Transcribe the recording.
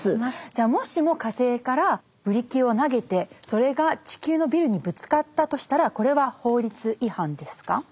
もしも火星からブリキを投げてそれが地球のビルにぶつかったとしたらこれは法律違反ですか？